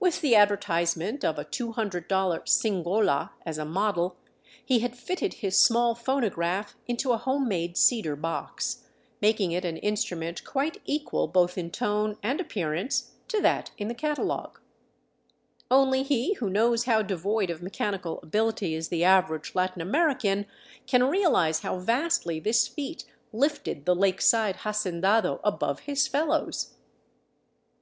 With the advertisement of a $200 " Singola " as a model, he had fitted his small phonograph into a homemade cedar box, making it an instrument quite equal both 405 VAGABONDING DOWN THE ANDES in tone and appearance to that in the catalogue. Only he who knows how devoid of mechanical ability is the average Latin American can realize how vastly this feat lifted the lake side hacendado above his fellows.